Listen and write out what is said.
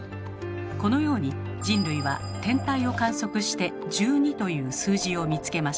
このように人類は天体を観測して「１２」という数字を見つけました。